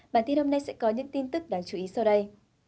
bản tin hôm nay sẽ có những tin tức đáng chú ý sau đây